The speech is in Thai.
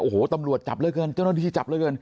โอ้โหตำรวจจับเหลือเกินเจ้าหน้าที่จับเหลือเกิน